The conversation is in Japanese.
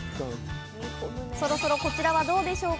そろそろ、こちらはどうでしょうか？